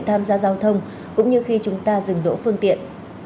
tham gia giao thông cũng như khi chúng ta dừng đỗ phương tiện